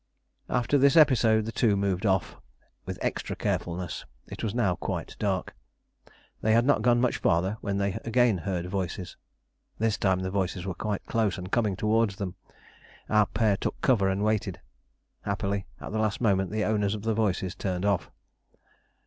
After this episode the two moved off with extra carefulness. It was now quite dark. They had not gone much farther when they again heard voices. This time the voices were quite close and coming towards them. Our pair took cover and waited: happily, at the last moment the owners of the voices turned off.